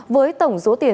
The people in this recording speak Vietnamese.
với tổng số tiền dịch bệnh